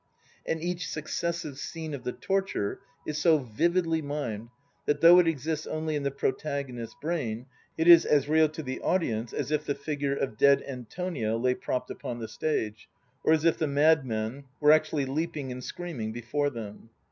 And each successive scene of the torture is so vividly mimed that though it exists only in the Protagonist's brain, it is as real to the audience as if the figure of dead Antonio lay propped upon the stage, or as if the madmen were actually leaping and screaming before them.